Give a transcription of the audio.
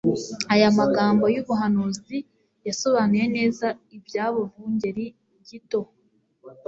Aya magambo y'ubuhanuzi yasobanuye neza iby'abo bungeri gito